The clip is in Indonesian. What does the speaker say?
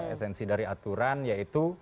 esensi dari aturan yaitu